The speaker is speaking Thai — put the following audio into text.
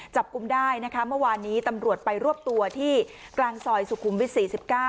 กุมได้นะคะเมื่อวานนี้ตำรวจไปรวบตัวที่กลางซอยสุขุมวิท๔๙